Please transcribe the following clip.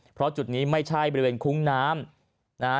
เพราะจุดนี้ไม่ใช่บริเวณคุ้งน้ำนะฮะ